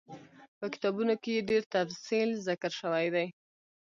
په کتابونو کي ئي ډير تفصيل ذکر شوی دی